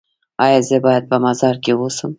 ایا زه باید په مزار کې اوسم؟